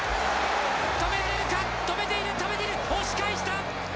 止めれるか、止めている止めている、押し返した！